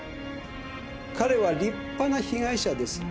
彼は立派な被害者です。